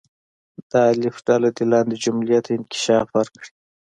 د الف ډله دې لاندې جملې ته انکشاف ورکړي.